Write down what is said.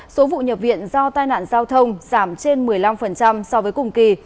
số vụ nhập viện do tai nạn giao thông giảm trên một mươi năm so với cùng kỳ